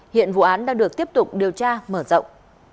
hiện vụ án đang được tiếp tục điều tra mở rộng